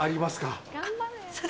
頑張れ。